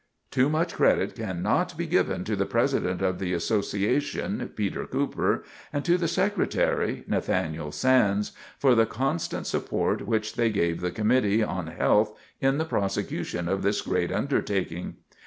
Too much credit can not be given to the President of the Association, Peter Cooper, and to the Secretary, Nathaniel Sands, for the constant support which they gave the Committee on Health in the prosecution of this great undertaking.